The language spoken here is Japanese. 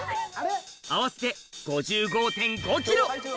合わせて５５．５ｋｇ！